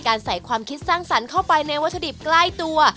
ใส่ความคิดสร้างสรรค์เข้าไปในวัตถุดิบใกล้ตัว